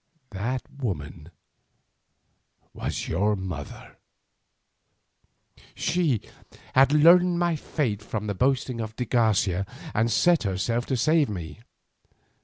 That woman was your mother. She had learned of my fate from the boasting of de Garcia and set herself to save me.